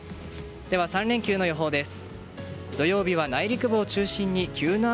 ３連休の予報です。